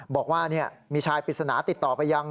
บอกว่ามีชายปริศนาติดต่อไปยัง